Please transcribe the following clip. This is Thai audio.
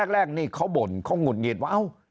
ตอนแรกนี้เขามีบ่นเขาหุ่นหงีดว่า